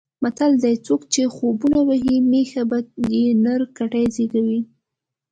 متل دی: څوک چې خوبونه وهي مېښه به یې نر کټي زېږوي.